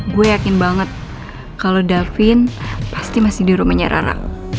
gue yakin banget kalau davin pasti masih di rumahnya rara